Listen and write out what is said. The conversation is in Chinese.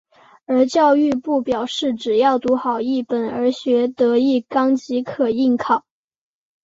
而教育部表示只要读好一本而学得一纲即可应考。